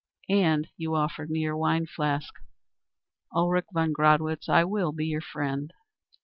And you offered me your wine flask ... Ulrich von Gradwitz, I will be your friend."